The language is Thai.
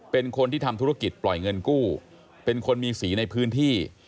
เป็นคนที่ทำธุรกิจปล่อยเงินกู้เป็นคนมีสีในพื้นที่